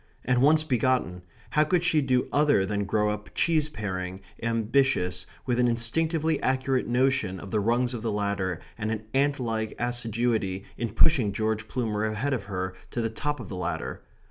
and once begotten, how could she do other than grow up cheese paring, ambitious, with an instinctively accurate notion of the rungs of the ladder and an ant like assiduity in pushing George Plumer ahead of her to the top of the ladder?